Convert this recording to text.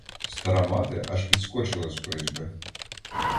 Стара мати аж підскочила з призьби.